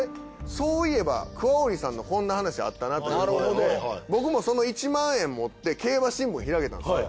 そういえば桑折さんのこんな話あったなということで僕もその１万円持って競馬新聞広げたんですね。